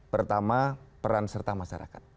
pertama peran serta masyarakat